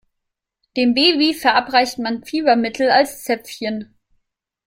Dem Baby verabreicht man Fiebermittel als Zäpfchen.